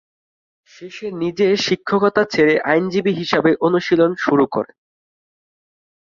শেষে নিজে শিক্ষকতা ছেড়ে আইনজীবী হিসাবে অনুশীলন শুরু করেন।